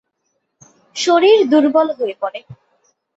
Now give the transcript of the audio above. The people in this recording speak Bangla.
শরীর দুর্বল হয়ে পড়ে।